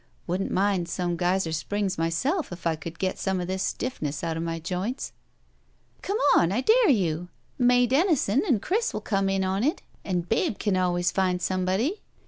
Wouldn't mind some Geyser Springs myself if I could get some of this sti£Eness out of my joints." "Come on! I dare you! May Denison and Chris will come in on it, and Babe can always find some body.